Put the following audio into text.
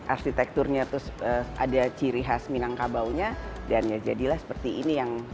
arsitekturnya terus ada ciri khas minangkabaunya dan ya jadilah seperti ini yang